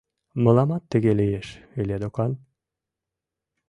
«Мыламат тыге лиеш ыле докан?